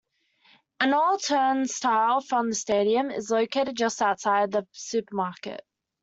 An old turnstile from the stadium is located just outside the supermarket.